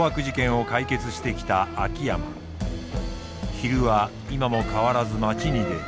昼は今も変わらず街に出る。